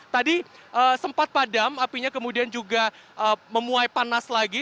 tadi sempat padam apinya kemudian juga memuai panas lagi